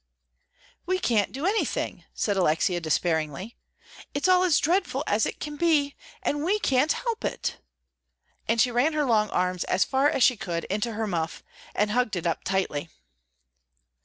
"We can't do anything," said Alexia, despairingly; "it's all as dreadful as it can be, and we can't help it," and she ran her long arms as far as she could into her muff, and hugged it up tightly.